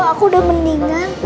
aku udah mendingan